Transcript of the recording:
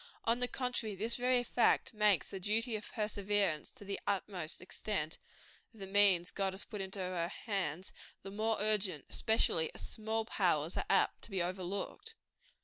On the contrary, this very fact makes the duty of perseverance to the utmost extent of the means God has put into her hands, the more urgent especially as small powers are apt to be overlooked.